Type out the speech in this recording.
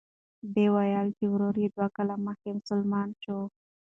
ده وویل چې ورور یې دوه کاله مخکې مسلمان شو.